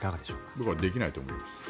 僕はできないと思います。